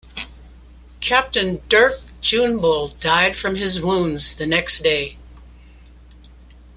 Captain Dirk Juinbol died from his wounds the next day.